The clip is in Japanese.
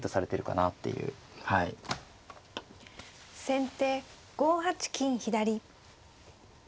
先手５八金左。